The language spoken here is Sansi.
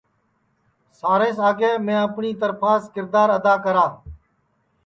سب پہلے میں اپٹؔی ترپھاس کِردار ادا کرا